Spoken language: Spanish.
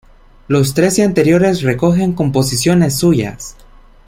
Los trece anteriores recogen composiciones suyas.